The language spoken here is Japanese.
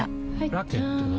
ラケットは？